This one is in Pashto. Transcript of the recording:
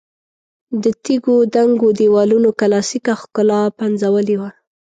د تیږو دنګو دېوالونو کلاسیکه ښکلا پنځولې وه.